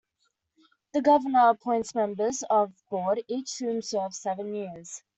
The governor appoints members of the Board, each of whom serve seven years.